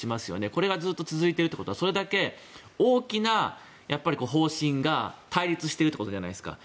これがずっと続いているということはそれだけ大きな方針が対立しているということじゃないですか。